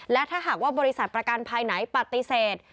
และถ้าหากว่าบริษัทประกันภัยไหนปฏิเสธ